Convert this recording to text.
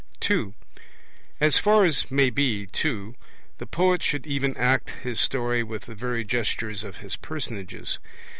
(2) As far as may be, too, the poet should even act his story with the very gestures of his personages.